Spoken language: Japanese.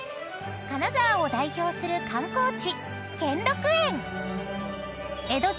［金沢を代表する観光地］